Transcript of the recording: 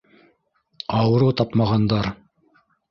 Ауырыу тапмағандар.